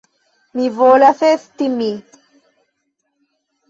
Mi volas esti mi.